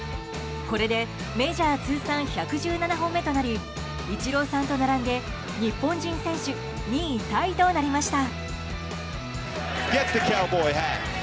これでメジャー通算１１７本目となりイチローさんと並んで日本人選手２位タイとなりました。